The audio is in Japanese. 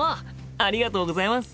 ありがとうございます。